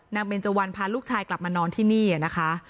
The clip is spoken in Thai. เบนเจวันพาลูกชายกลับมานอนที่นี่นะคะ